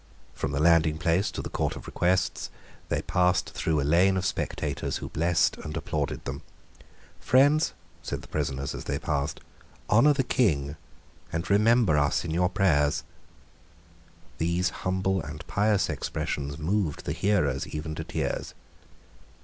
From the landingplace to the Court of Requests they passed through a lane of spectators who blessed and applauded them. "Friends," said the prisoners as they passed, "honour the King; and remember us in your prayers." These humble and pious expressions moved the hearers, even to tears.